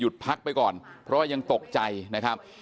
พักไปก่อนเพราะว่ายังตกใจนะครับ